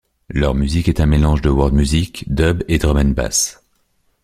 Leur musique est un mélange de world music, dub et drum and bass.